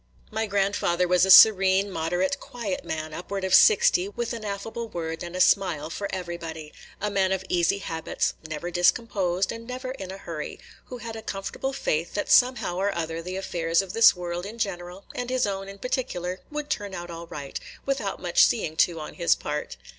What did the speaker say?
My grandfather was a serene, moderate, quiet man, upward of sixty, with an affable word and a smile for everybody, – a man of easy habits, never discomposed, and never in a hurry, – who had a comfortable faith that somehow or other the affairs of this world in general, and his own in particular, would turn out all right, without much seeing to on his part.